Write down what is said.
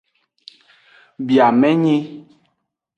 Biamenyi.